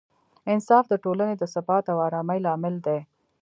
انصاف د ټولنې د ثبات او ارامۍ لامل دی.